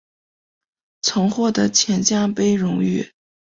曾获得钱江杯荣誉。